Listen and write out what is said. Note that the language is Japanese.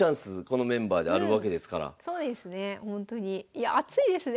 いや熱いですね。